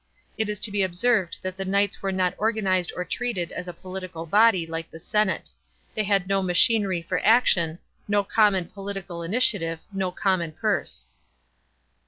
It is to be observed that the knights were not organised or treated as a political body, like the senate. They had no machinery for action ; no common political initiative ; no common purse.